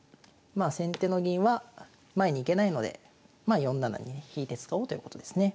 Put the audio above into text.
まあ先手の銀は前に行けないので４七にね引いて使おうということですね。